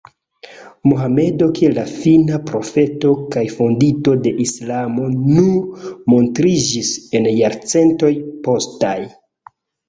Mohamedo kiel la fina profeto kaj fondinto de islamo nur montriĝis en jarcentoj postaj.